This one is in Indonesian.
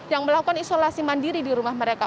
yang melakukan isolasi mandiri di rumah mereka